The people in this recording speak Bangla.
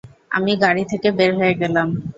আমি গাড়ি থেকে বের হয়ে গেলাম।